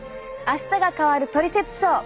「あしたが変わるトリセツショー」